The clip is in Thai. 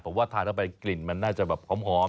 ผมว่าทานเข้าไปกลิ่นมันน่าจะแบบหอม